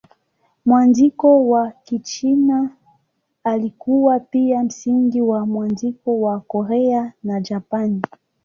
Mwandiko wa Kichina ulikuwa pia msingi wa mwandiko wa Korea na Japani.